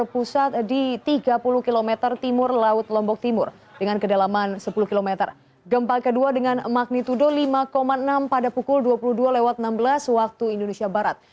pada pukul dua puluh dua lewat enam belas waktu indonesia barat